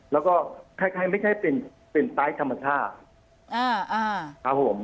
แล้วก็คล้ายไม่ใช่เป็นไฟล์ธรรมชาติครับผม